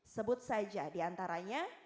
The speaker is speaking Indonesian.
sebut saja diantaranya